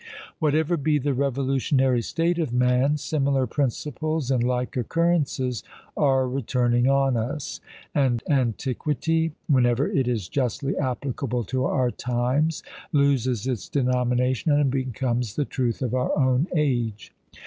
Whatever be the revolutionary state of man, similar principles and like occurrences are returning on us; and antiquity, whenever it is justly applicable to our times, loses its denomination, and becomes the truth of our own age.